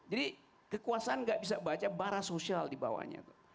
jadi kekuasaan gak bisa baca barah sosial dibawanya tuh